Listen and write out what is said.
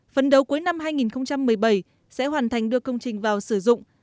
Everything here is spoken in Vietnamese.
phấn đấu cuối năm hai nghìn một mươi bảy sẽ hoàn thành đưa công trình vào sử dụng